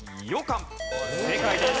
正解です。